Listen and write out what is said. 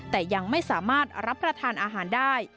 แต่ยังไม่สามารถรับประทานอาหารได้